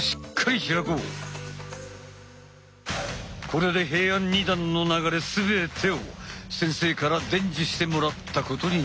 これで平安二段の流れ全てを先生から伝授してもらったことになる。